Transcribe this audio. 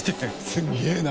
すっげえな。